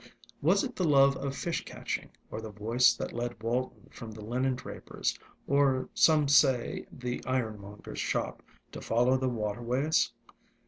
Was it the love of fish catching, or the voice, that led Walton from the linen draper's, or, some say, the ironmonger's shop, to follow the water ways